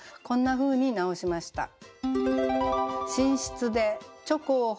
こんなふうに直しました。